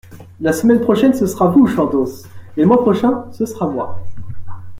La semaine prochaine ce sera vous, Chandos, et le mois prochain ce sera moi.